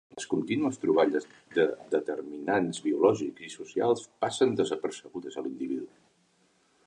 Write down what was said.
Les contínues troballes de determinants biològics i socials passen desapercebudes a l'individu.